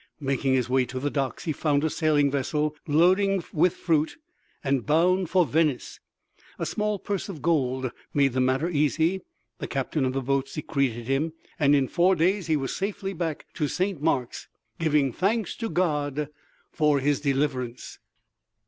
Making his way to the docks he found a sailing vessel loading with fruit, bound for Venice. A small purse of gold made the matter easy: the captain of the boat secreted him, and in four days he was safely back in Saint Mark's giving thanks to God for his deliverance.